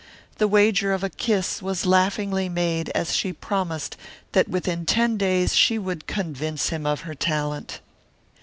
The wager of a kiss was laughingly made as she promised that within ten days she would convince him of her talent.